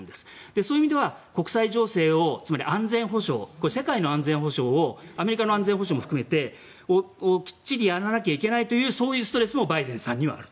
そういう意味では国際情勢を、安全保障を世界の安全保障をアメリカの安全保障も含めてきっちりやらなきゃいけないというストレスもバイデンさんにはある。